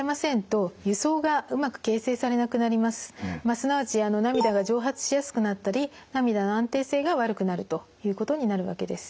すなわち涙が蒸発しやすくなったり涙の安定性が悪くなるということになるわけです。